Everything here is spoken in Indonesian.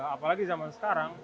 apalagi zaman sekarang